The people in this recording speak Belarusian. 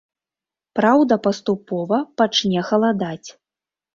Праўда, паступова пачне халадаць.